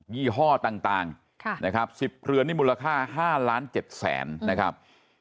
ยี่ห้อต่างต่างค่ะนะครับสิบเรือนที่มูลค่าห้าล้านเจ็ดแสนนะครับ